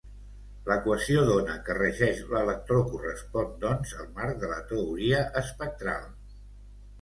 L'equació d'ona que regeix l'electró correspon doncs al marc de la teoria espectral.